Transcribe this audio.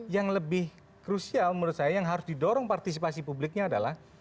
yang lebih krusial menurut saya yang harus didorong partisipasi publiknya adalah